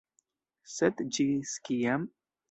Sed ĝis kiam?